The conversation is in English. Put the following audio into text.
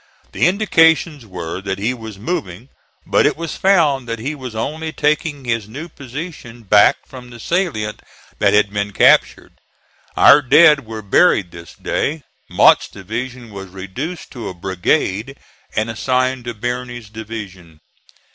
The indications were that he was moving, but it was found that he was only taking his new position back from the salient that had been captured. Our dead were buried this day. Mott's division was reduced to a brigade, and assigned to Birney's division.